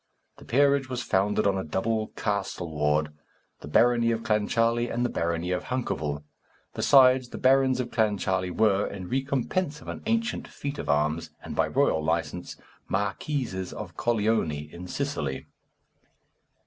The peerage was founded on a double castleward, the barony of Clancharlie and the barony of Hunkerville; besides, the barons of Clancharlie were, in recompense of an ancient feat of arms, and by royal licence, Marquises of Corleone, in Sicily.